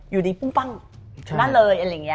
อยู่ดีปุ้งปั้งนั่นเลยอะไรอย่างนี้